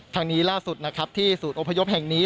ทางนี้ล่าสุดนะครับที่ศูนย์อพยพแห่งนี้